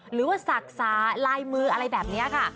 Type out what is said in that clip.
หรือว่าศักดิ์สาลายมืออะไรแบบนี้ค่ะ